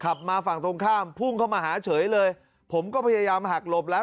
มาฝั่งตรงข้ามพุ่งเข้ามาหาเฉยเลยผมก็พยายามหักหลบแล้ว